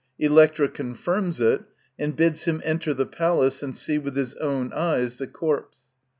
Electra confirms it, and bids him enter the palace and see with his own eyes the corpse.